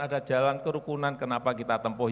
ada jalan kerukunan kenapa kita tempuh